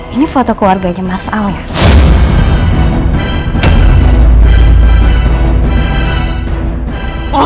ini foto keluarganya mas al ya